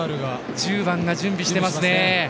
１０番が準備してますね。